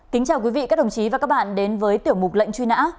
kính chào quý vị các đồng chí và các bạn đến với tiểu mục lệnh truy nã